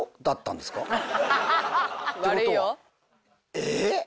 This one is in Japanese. えっ？